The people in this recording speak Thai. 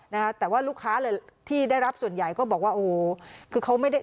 นะฮะแต่ว่าลูกค้าเลยที่ได้รับส่วนใหญ่ก็บอกว่าโอ้โหคือเขาไม่ได้